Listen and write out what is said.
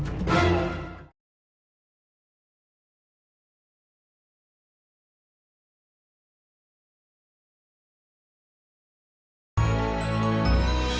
kau kena di situ